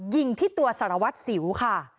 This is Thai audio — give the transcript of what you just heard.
ยิงที่ตัวสารวัตรสิวค่ะ